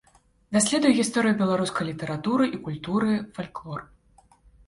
Даследуе гісторыю беларускай літаратуры і культуры, фальклор.